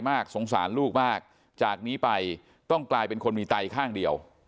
สงสารลูกมากจากนี้ไปต้องกลายเป็นคนมีไตข้างเดียว